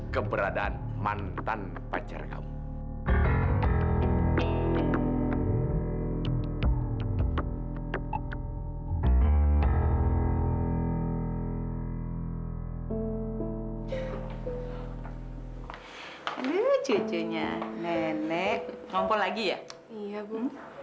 keberadaan mantan pacar kamu